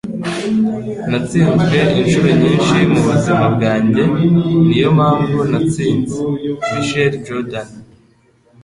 Natsinzwe inshuro nyinshi mubuzima bwanjye. Niyo mpamvu natsinze. ”- Michael Jordan